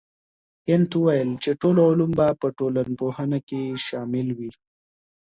کنت وويل چي ټول علوم به په ټولنپوهنه کي شامل وي.